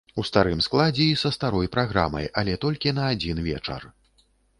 У старым складзе і са старой праграмай, але толькі на адзін вечар.